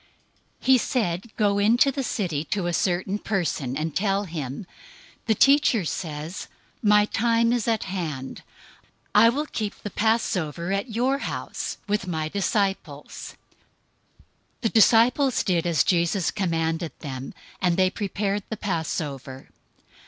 026:018 He said, "Go into the city to a certain person, and tell him, 'The Teacher says, "My time is at hand. I will keep the Passover at your house with my disciples."'" 026:019 The disciples did as Jesus commanded them, and they prepared the Passover.